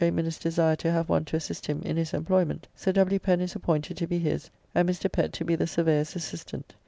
Minnes' desire to have one to assist him in his employment, Sir W. Pen is appointed to be his, and Mr. Pett to be the Surveyor's assistant.